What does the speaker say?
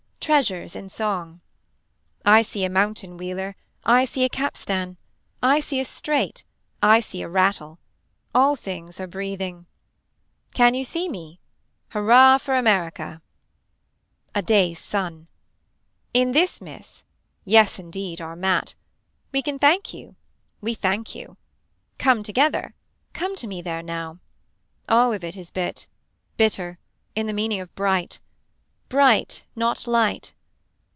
Treasures in song. I see a mountain wheeler I see a capstan. I see a straight. I see a rattle. All things are breathing. Can you see me. Hurrah for America. A day's sun. In this miss. Yes indeed our mat. We can thank you We thank you. Come together. Come to me there now. All of it is bit. Bitter. In the meaning of bright. Bright not light.